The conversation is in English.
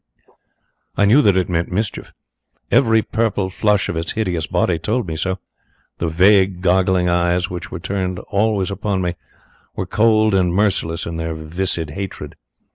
"I knew that it meant mischief. Every purple flush of its hideous body told me so. The vague, goggling eyes which were turned always upon me were cold and merciless in their viscid hatred.